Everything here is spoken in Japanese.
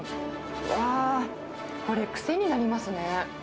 あー、これ、癖になりますね。